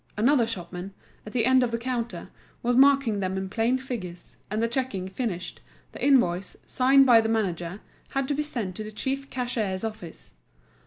Another shopman, at the end of the counter, was marking them in plain figures, and the checking finished, the invoice, signed by the manager, had to be sent to the chief cashier's office.